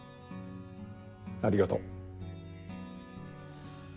ありがとう。